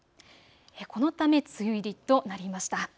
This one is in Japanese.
このため梅雨入りとなりました。